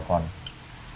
tentang mbak bella